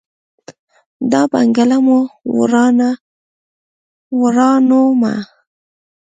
دا بنګله مو ورانومه.